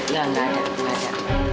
ya enggak ada